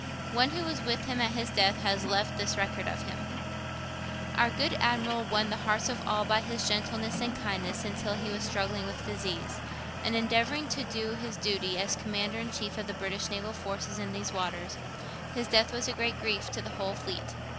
One who was with him at his death has left this record of him: 'Our good Admiral won the hearts of all by his gentleness and kindness while he was struggling with disease, and endeavouring to do his duty as Commander in chief of the British naval forces in these waters. His death was a great grief to the whole fleet.